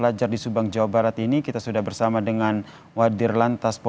lalu bagaimana sodara investigasi kecelakaan maut bus rombongan ini